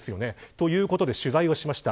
ということで取材をしました。